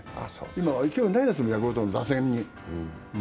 今、勢いないですもん、ヤクルトの打線に。